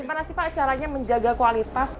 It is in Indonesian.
gimana sih pak caranya menjaga kualitas